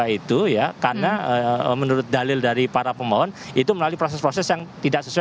itu ya karena menurut dalil dari para pemohon itu melalui proses proses yang tidak sesuai